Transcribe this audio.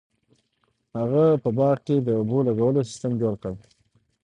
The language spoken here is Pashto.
هغه په باغ کې د اوبو لګولو سیستم جوړ کړ.